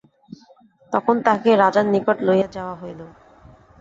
তখন তাঁহাকে রাজার নিকট লইয়া যাওয়া হইল।